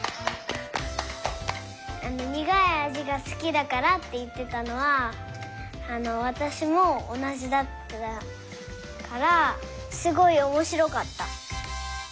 にがいあじがすきだからっていってたのはわたしもおなじだったからすごいおもしろかった。